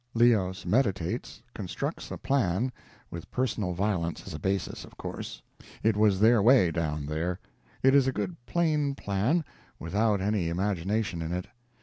Leos meditates, constructs a plan with personal violence as a basis, of course. It was their way down there. It is a good plain plan, without any imagination in it.